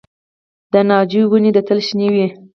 د ناجو ونې تل شنې وي؟